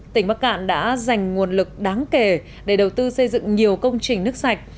tỉnh bắc cạn đã dành nguồn lực đáng kể để đầu tư xây dựng nhiều công trình nước sạch